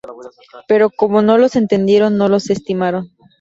Pero como no los entendieron, no los estimaron.